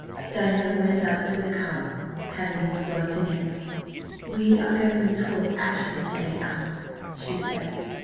Diana went up to the cob, patting his glossy neck. "We are going towards Ashley to day, aunt," she said.